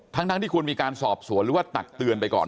ทั้งที่ควรมีการสอบสวนหรือว่าตักเตือนไปก่อน